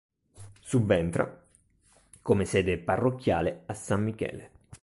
Subentra, come sede parrocchiale, a San Michele.